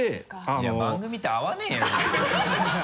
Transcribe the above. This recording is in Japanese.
いや番組と合わねぇよ。